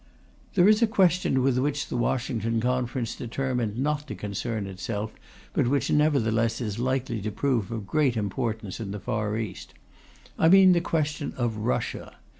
There is a question with which the Washington Conference determined not to concern itself, but which nevertheless is likely to prove of great importance in the Far East I mean the question of Russia.